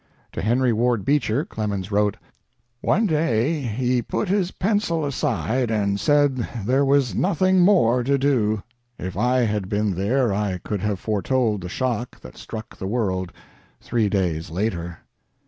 To Henry Ward Beecher Clemens wrote: "One day he put his pencil aside and said there was nothing more to do. If I had been there I could have foretold the shock that struck the world three days later."